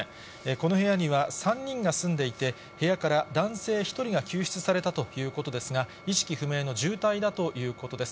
この部屋には３人が住んでいて、部屋から男性１人が救出されたということですが、意識不明の重体だということです。